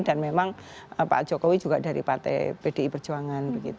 dan memang pak jokowi juga dari partai pdi perjuangan